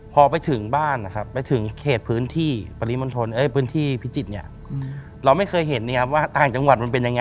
พอไปถึงบ้านนะครับไปถึงเขตพื้นที่พิจิตรเนี่ยเราไม่เคยเห็นเนี่ยว่าต่างจังหวัดมันเป็นยังไง